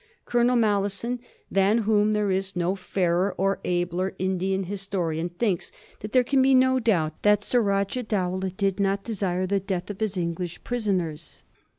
Colonel Malleson, than whom there is no fairer or abler Indian historian, thinks there can be no doubt that Surajah Dowlah did not desire the death of his English prisoners.